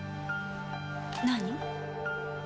何？